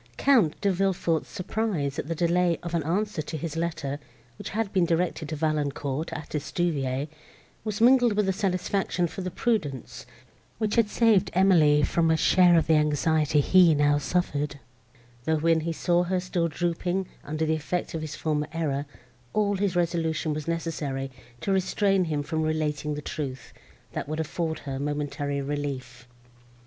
Count De Villefort's surprise at the delay of an answer to his letter, which had been directed to Valancourt, at Estuvière, was mingled with satisfaction for the prudence, which had saved Emily from a share of the anxiety he now suffered, though, when he saw her still drooping under the effect of his former error, all his resolution was necessary to restrain him from relating the truth, that would afford her a momentary relief.